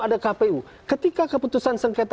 ada kpu ketika keputusan sengketa